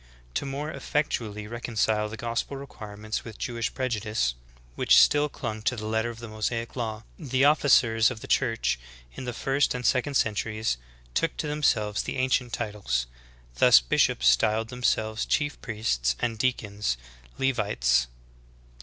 "^; 4. To more effectually reconcile the gospel requirements with Jewish prejudice, which still clung to the letter of the IMosaic law, the officers of the Church in the first and sec ond centuries took to themselves the ancient titles; thus, bishops styled themselves chief priests, and deacons, Levites.